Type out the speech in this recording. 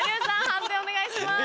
判定お願いします。